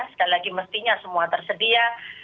sekali lagi mestinya semua tersedia